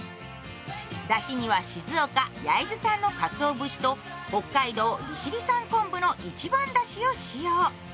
だしには静岡・焼津産のかつお節と北海道・利尻産昆布の一番だしを使用。